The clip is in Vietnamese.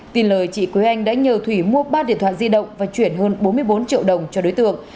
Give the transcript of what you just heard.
tin lời chị quế anh đã nhờ thủy mua ba điện thoại di động và chuyển hơn bốn mươi bốn triệu đồng cho đối tượng